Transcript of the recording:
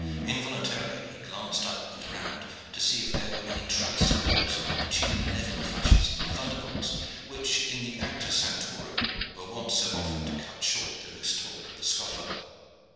Involuntarily he glanced up and around to see if there were any trace of those opportune levin flashes and thunderbolts which, in the "Acta Sanctorum," were wont so often to cut short the loose talk of the scoffer.